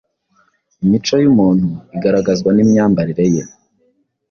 Imico y’umuntu igaragazwa n’imyambarire ye.